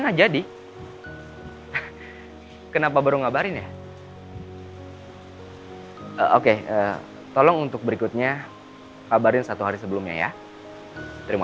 nah jadi kenapa baru ngabarin ya oke tolong untuk berikutnya kabarin satu hari sebelumnya ya terima